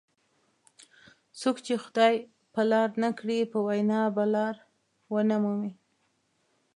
څوک چې خدای په لار نه کړي په وینا به لار ونه مومي.